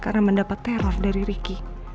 karena mendapat teror dari riki